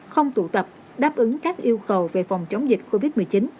không tụ tập đáp ứng các yêu cầu về phòng chống dịch covid một mươi chín